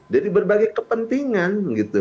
dari berbagai kepentingan